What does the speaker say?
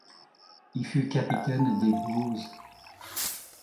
Il fut capitaine des Blues.